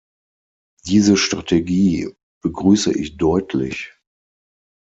Diese Strategie begrüße ich deutlich.